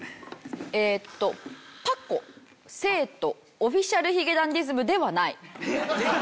えっと「パコ」「聖人」「オフィシャルヒゲダンディズムではない」。